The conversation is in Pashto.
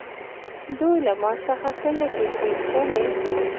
دوی له ما څخه ښه نه کېږي، ولې؟